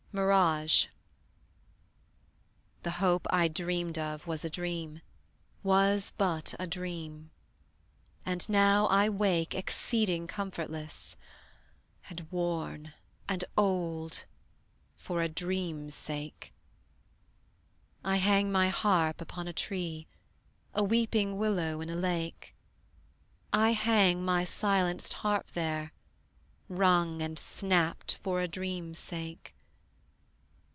MIRAGE. The hope I dreamed of was a dream, Was but a dream; and now I wake Exceeding comfortless, and worn, and old, For a dream's sake. I hang my harp upon a tree, A weeping willow in a lake; I hang my silenced harp there, wrung and snapt For a dream's sake.